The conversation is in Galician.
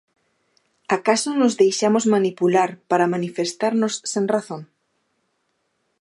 Acaso nos deixamos manipular para manifestarnos sen razón?